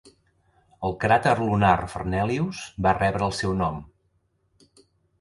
El cràter lunar Fernelius va rebre el seu nom.